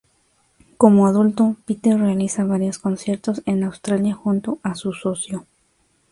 Como adulto, Peter realiza varios conciertos en Australia junto a su socio.